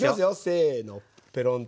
せのペロンと。